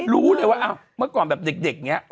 รู้เลยว่าเมื่อก่อนเด็ก